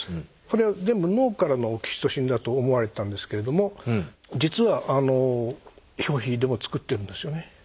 それは全部脳からのオキシトシンだと思われてたんですけれども実は表皮でも作ってるんですよね。